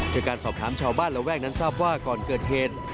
จากการสอบถามชาวบ้านระแวกนั้นทราบว่าก่อนเกิดเหตุ